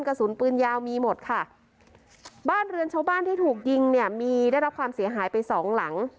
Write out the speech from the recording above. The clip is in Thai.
กระสุนปืนยาวมีหมดค่ะบ้านเรือนชาวบ้านที่ถูกยิงเนี่ยมีได้รับความเสียหายไปสองหลัง